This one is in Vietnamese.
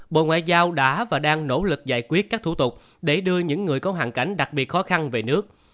bộ ngoại giao đã và đang nỗ lực giải quyết các thủ tục để đưa những người có hoàn cảnh đặc biệt khó khăn về nước